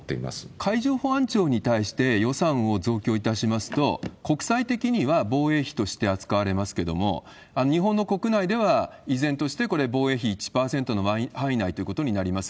海上保安庁に対して予算を増強いたしますと、国際的には防衛費として扱われますけれども、日本の国内では依然としてこれ、防衛費１％の範囲内ということになります。